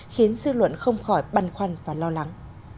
khiến dư luận không khỏi băn khoăn và lo lắng